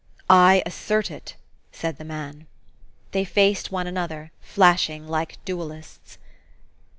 "I assert it!" said the man. They faced one another, flashing like duellists.